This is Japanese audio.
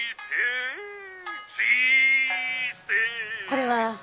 これは？